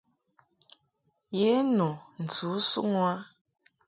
Ye nu ntɨ u suŋ u a.